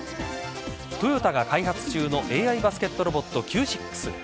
トヨタが開発中のＡＩバスケットロボットＣＵＥ６。